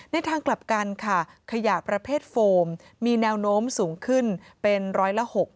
ทางกลับกันค่ะขยะประเภทโฟมมีแนวโน้มสูงขึ้นเป็นร้อยละ๖๐